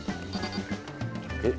えっ？